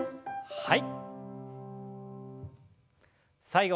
はい。